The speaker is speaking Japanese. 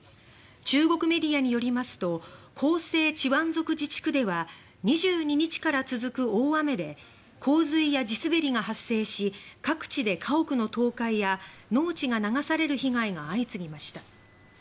中国メディアによりますと広西チワン族自治区では２２日から続く大雨で洪水や地滑りが発生し各地で家屋の倒壊や農地が流される被害が相次ぎました。